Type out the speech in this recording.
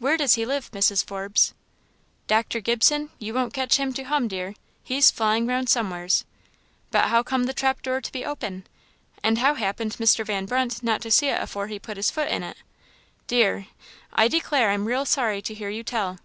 Where does he live, Mrs. Forbes?" "Dr. Gibson? you won't catch him to hum, dear; he's flying round somewheres. But how come the trap door to be open? and how happened Mr. Van Brunt not to see it afore he put his foot in it? Dear! I declare I'm real sorry to hear you tell.